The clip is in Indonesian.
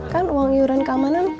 kan uang iuran keamanan